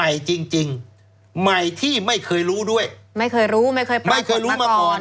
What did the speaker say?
ใหม่จริงใหม่ที่ไม่เคยรู้ด้วยไม่เคยรู้ไม่เคยปรากฏมาก่อน